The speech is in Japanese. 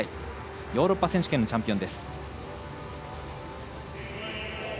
ヨーロッパ選手権のチャンピオン。